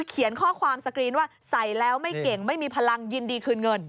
เขียนข้อความสกรีนว่าใส่แล้วไม่เก่งไม่มีพลังยินดีคืนเงิน